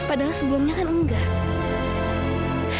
padahal sebelumnya kan enggak